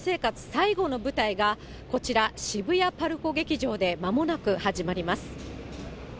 最後の舞台が、こちら、渋谷ＰＡＲＣＯ劇場でまもなく始まります。